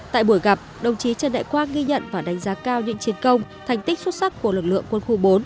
tại buổi gặp đồng chí trần đại quang ghi nhận và đánh giá cao những chiến công thành tích xuất sắc của lực lượng quân khu bốn